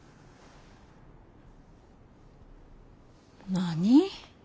何？